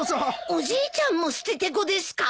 おじいちゃんもステテコですか？